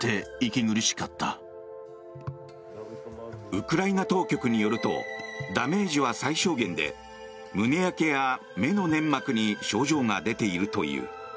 ウクライナ当局によるとダメージは最小限で胸焼けや、目の粘膜に症状が出ているという。